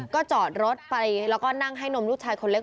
ก็จอดรถไปแล้วก็นั่งให้นมลูกชายคนเล็ก